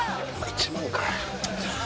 １万か。